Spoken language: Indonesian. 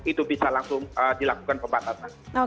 itu bisa langsung dilakukan pembatasan